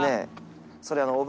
それは。